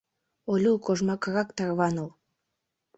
— Олю, кожмакрак тарваныл!